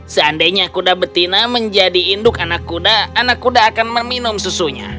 seandainya kuda betina menjadi induk anak kuda anak kuda akan meminum susunya